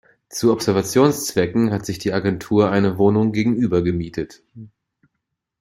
Zu Observationszwecken hat sich die Agentur eine Wohnung gegenüber gemietet.